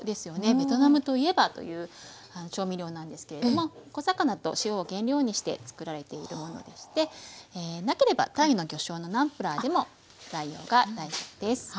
ベトナムといえばという調味料なんですけれども小魚と塩を原料にして作られているものでしてなければタイの魚醤のナムプラーでも代用が大丈夫です。